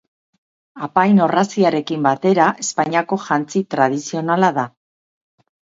Apain-orraziarekin batera, Espainiako jantzi tradizionala da.